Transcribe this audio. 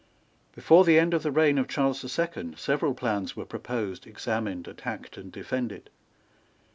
Before the end of the reign of Charles the Second several plans were proposed, examined, attacked and defended.